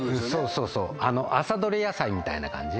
そうそう朝どれ野菜みたいな感じ